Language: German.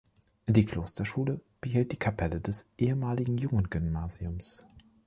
Die Klosterschule behielt die Kapelle des ehemaligen Jungen-Gymnasiums.